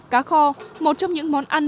cá kho một trong những món ăn